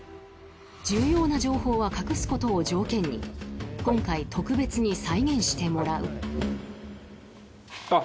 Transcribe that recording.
重要な情報は隠すことを条件に今回特別に再現してもらうあっ。